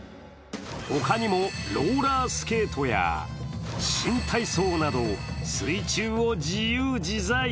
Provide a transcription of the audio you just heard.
ほかにも、ローラースケートや新体操など、水中を自由自在。